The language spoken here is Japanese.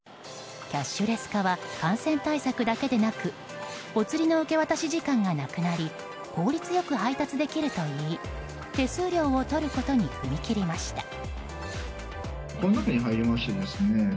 キャッシュレス化は感染対策だけでなくお釣りの受け渡し時間がなくなり効率よく配達できるといい手数料を取ることに踏み切りました。